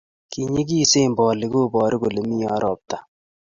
Kinyegisen bolik kooboru kole miyo robta